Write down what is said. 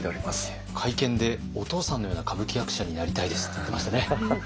会見で「お父さんのような歌舞伎役者になりたいです」って言ってましたね。